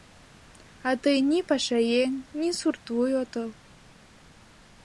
— А тый ни пашаеҥ, ни суртвуй отыл.